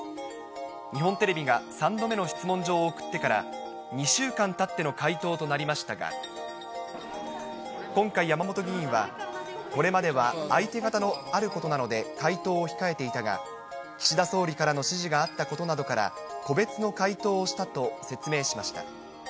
日本テレビが３度目の質問状を送ってから２週間たっての回答となりましたが、今回、山本議員はこれまでは相手方もあることなので回答を控えていたが、岸田総理からの指示があったことなどから、個別の回答をしたと説明しました。